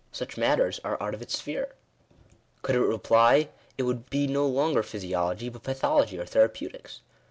Such matters are out of its sphere. Could it reply it would be no longer Physiology, but Pathology, or Therapeutics.